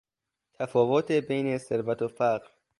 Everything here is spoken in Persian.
تفاوت بین ثروت و فقر